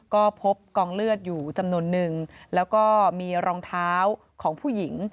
ก็พบกองเลือดอยู่จำนวนนึงแล้วก็มีรองเท้าของผู้หญิง